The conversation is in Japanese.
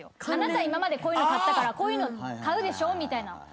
あなた今までこういうの買ったからこういうの買うでしょみたいな。